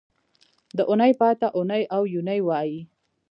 د اونۍ پای ته اونۍ او یونۍ وایي